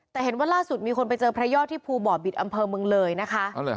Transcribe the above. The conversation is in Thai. แต่เห็นว่าล่าสุดมีคนไปเจอพระยอดที่ภูบ่อบิตอำเภอเมืองเลยนะคะ